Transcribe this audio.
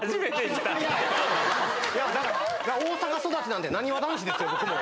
だから、大阪育ちなんで、なにわ男子ですよ、僕も。